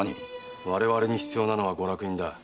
我々に必要なのはご落胤だ。